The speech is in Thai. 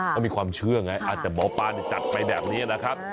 เขามีความเชื่อไงอาจจะหมอปลาจัดไปแบบนี้นะครับ